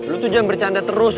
lu tuh jangan bercanda terus